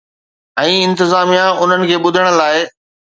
۽ انتظاميا انهن کي ٻڌڻ لاء؟